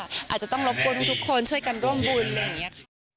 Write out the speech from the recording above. อาจจะต้องรบกลุ่มทุกคนช่วยกันร่วมบุญ